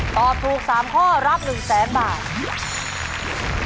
ตอบถูก๓ข้อรับ๑๐๐๐๐๐บาท